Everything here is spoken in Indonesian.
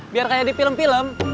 biar kayak dipilm pilm